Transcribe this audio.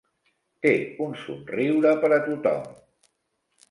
Té un somriure per a tothom.